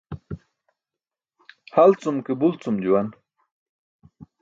Halcum ke bulcum juwan.